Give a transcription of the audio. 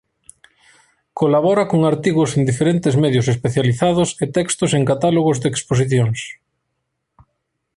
Colabora con artigos en diferentes medios especializados e textos en catálogos de exposicións.